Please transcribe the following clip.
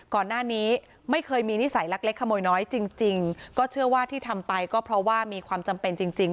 ก่อนหน้านี้ไม่เคยมีนิสัยลักเล็กขโมยน้อยจริงก็เชื่อว่าที่ทำไปก็เพราะว่ามีความจำเป็นจริงจริง